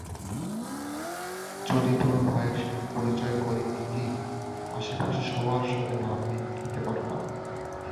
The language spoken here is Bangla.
যদি তোর ভাইয়ের সাথে পরিচয় করিয়ে দিতি, আশেপাশে সবার সাথে ভাব নিতে পারতাম।